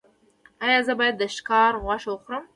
ایا زه باید د ښکار غوښه وخورم؟